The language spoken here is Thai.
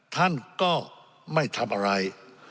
ท่านก็ไม่ทำอะไร